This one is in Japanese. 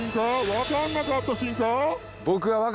分かんなかったしんか？